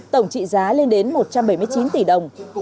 tổng trị giá lên đến một trăm bảy mươi chín tỷ đồng